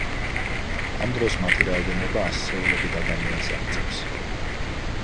ამ დროს მათი რაოდენობა ასეულობით ადამიანს აღწევს.